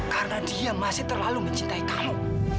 karena dia masih terlalu mencintai kamu